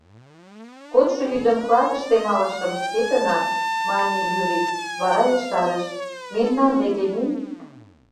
Кодшо йӱдым клатыште малышым, шкетынак, — мане Юрик, вара ешарыш: — Мемнан деке мий.